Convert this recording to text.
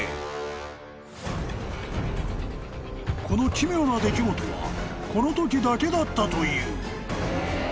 ［この奇妙な出来事はこのときだけだったという］